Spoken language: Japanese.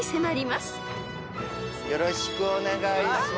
よろしくお願いします。